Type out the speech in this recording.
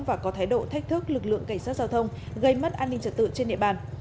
và có thái độ thách thức lực lượng cảnh sát giao thông gây mất an ninh trật tự trên địa bàn